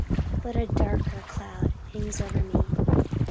But a darker cloud hangs over me.